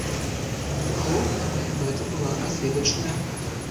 Галоўная мая мэта была разведачная.